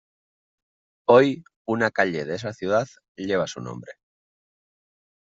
Hoy, una calle de esa ciudad lleva su nombre.